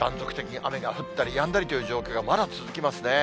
断続的に雨が降ったりやんだりという状況がまだ続きますね。